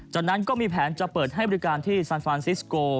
จากนั้นก็มีแผนจะเปิดให้บริการที่